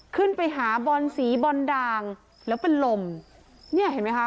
ขึ้นไปหาบอลสีบอลด่างแล้วเป็นลมเนี่ยเห็นไหมคะ